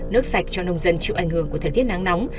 nước sạch cho nông dân chịu ảnh hưởng của thời tiết nắng nóng